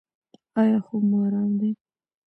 ایا خوب مو ارام دی؟